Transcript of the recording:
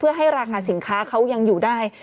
เพื่อให้ราคาสินค้าเขายังอยู่ได้